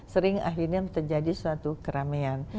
sering akhirnya terjadi suatu keramaian